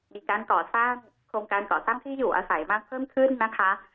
มีการก่อสร้างโครงการก่อสร้างที่อยู่อาศัยมากเพิ่มขึ้นนะคะ